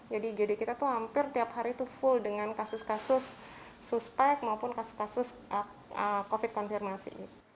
jadi igd kita hampir tiap hari full dengan kasus kasus suspek maupun kasus kasus covid sembilan belas konfirmasi